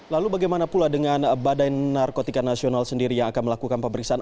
lalu bagaimana pula dengan badan narkotika nasional sendiri yang akan melakukan pemeriksaan